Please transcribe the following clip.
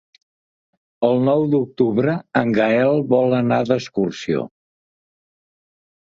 El nou d'octubre en Gaël vol anar d'excursió.